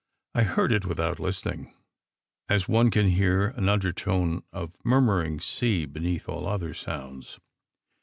I heard it without listening, as one can hear an undertone of murmuring sea beneath all other sounds.